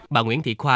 bà nguyễn thị khoa